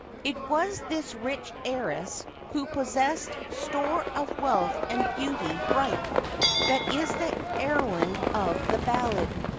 It was this rich heiress, who possessed 'store of wealth and beauty bright,' that is the heroine of the ballad.